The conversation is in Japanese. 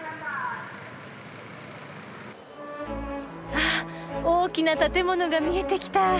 あっ大きな建物が見えてきた。